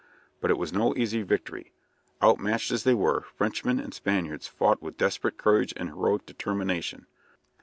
But it was no easy victory. Outmatched as they were, Frenchmen and Spaniards fought with desperate courage and heroic determination.